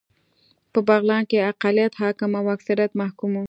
په بغلان کې اقلیت حاکم او اکثریت محکوم و